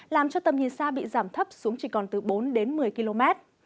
làm cho tầm nhìn xa bị giảm thấp xuống chỉ còn từ bốn đến một mươi km